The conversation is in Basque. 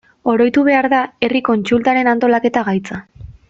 Oroitu behar da herri kontsultaren antolaketa gaitza.